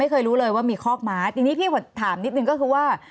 เคยรู้เลยว่ามีคอกม้าทีนี้พี่ถามนิดนึงก็คือว่า